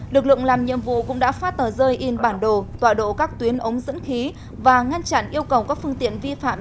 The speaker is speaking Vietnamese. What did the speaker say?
lực lượng làm nhiệm vụ cũng đã phát tờ rơi in bản đồ tọa độ các tuyến ống dẫn khí và ngăn chặn yêu cầu các phương tiện vi phạm